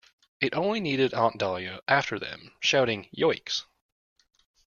It only needed Aunt Dahlia after them, shouting "Yoicks!"